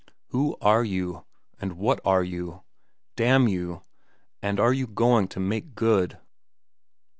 Who are you? and what are you? damn you! And are you going to make good?